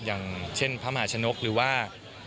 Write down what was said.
อย่างเช่นพระมหาชนกหรือว่า